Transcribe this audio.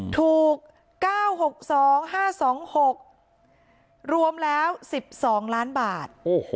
ถูก๙๖๒๕๒๖รวมแล้ว๑๒ล้านบาท